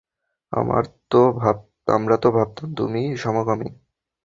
আমরা তো ভাবতাম তুমি সমকামী।